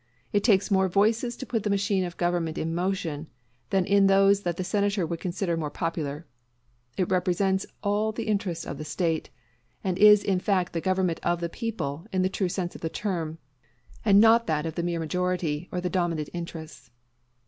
It takes more voices to put the machine of government in motion than in those that the Senator would consider more popular. It represents all the interests of the State, and is in fact the government of the people in the true sense of the term, and not that of the mere majority, or the dominant interests.